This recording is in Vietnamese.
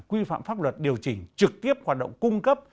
quy phạm pháp luật điều chỉnh trực tiếp hoạt động cung cấp